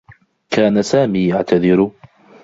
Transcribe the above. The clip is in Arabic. كان سامي يعتذر.